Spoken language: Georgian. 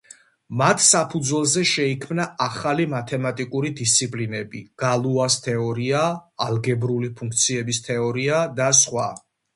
მათ საფუძველზე შეიქმნა ახალი მათემატიკური დისციპლინები: გალუას თეორია, ალგებრული ფუნქციების თეორია და სხვა.